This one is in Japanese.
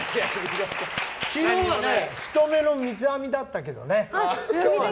昨日は「太めの三つ編み」だったけどね。